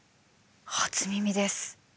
初耳です。